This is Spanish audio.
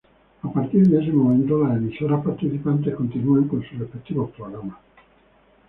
A partir de este momento las emisoras participantes continúan con sus respectivos programas.